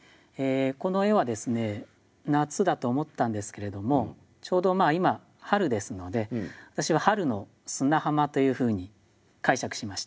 この絵はですね夏だと思ったんですけれどもちょうど今春ですので私は春の砂浜というふうに解釈しました。